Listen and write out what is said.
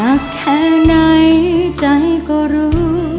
นักแค่ในใจก็รู้